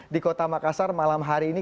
di kota makassar malam hari ini